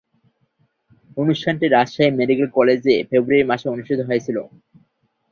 অনুষ্ঠানটি রাজশাহী মেডিকেল কলেজে ফেব্রুয়ারি মাসে অনুষ্ঠিত হয়েছিলো।